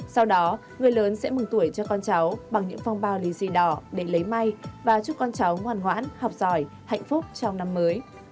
sau đó người lớn sẽ mừng tuổi cho con cháu bằng những phong bao lý gì đỏ để lấy may và chúc con cháu ngoan hoãn học giỏi hạnh phúc trong năm mới